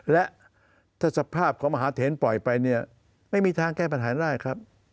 และถ้าสภาพของมหาเทนปล่อยไปเนี่ยไม่มีทางแก้ปัญหาได้ครับ